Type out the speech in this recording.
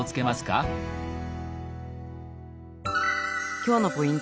今日のポイント。